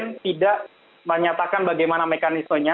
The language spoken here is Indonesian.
presiden tidak menyatakan bagaimana mekanismenya